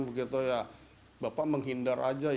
bapak menghindar saja